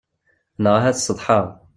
Neɣ ahat tsetḥaḍ.